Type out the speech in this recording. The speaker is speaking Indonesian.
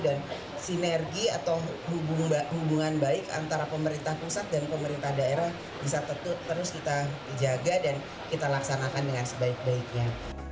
dan sinergi atau hubungan baik antara pemerintah pusat dan pemerintah daerah bisa tetap terus kita jaga dan kita laksanakan dengan sebaik baiknya